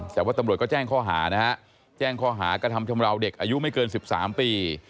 แต่ว่าตำรวจก็แอ่งข้อหากระทำชำระวเด็กอายุไม่เกิน๑๓ปี